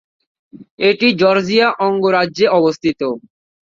এটি জর্জিয়া অঙ্গরাজ্যে অবস্থিত।